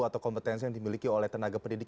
atau kompetensi yang dimiliki oleh tenaga pendidik